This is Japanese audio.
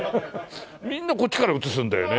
みんなこっちから写すんだよね。